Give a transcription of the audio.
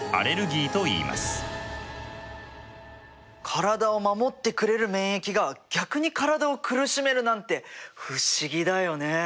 体を守ってくれる免疫が逆に体を苦しめるなんて不思議だよね。